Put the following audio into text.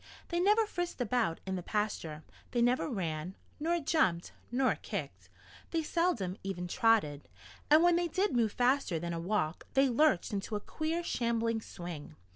They never frisked about in the pasture. They never ran, nor jumped, nor kicked. They seldom even trotted. And when they did move faster than a walk they lurched into a queer, shambling swing.